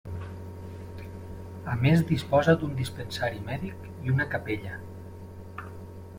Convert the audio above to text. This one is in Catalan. A més disposa d'un dispensari mèdic i una capella.